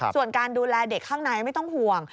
ส่วนการดูแลเด็กข้างในไม่ต้องห่วง